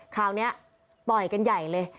คราวนี้ปล่อยกันใหญ่เลย